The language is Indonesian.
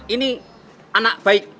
ini anak baik